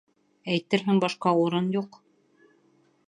Әйтерһең, башҡа урын юҡ.